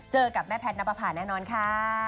เจอกับแม่แพทย์นับประพาแน่นอนค่ะ